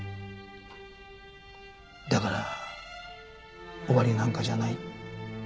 だから終わりなんかじゃない。